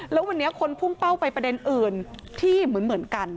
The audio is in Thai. แล้ววันนี้คนพุ่งเป้าไปประเด็นอื่นที่เหมือนกัน